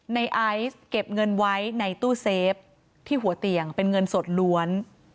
ในไอซ์เก็บเงินไว้ในตู้เซฟที่หัวเตียงเป็นเงินสดล้วน